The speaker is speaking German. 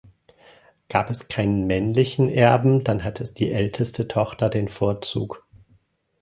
Gab es keinen männlichen Erben, dann hatte die älteste Tochter den Vorzug.